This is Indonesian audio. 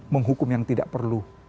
menghukum yang tidak perlu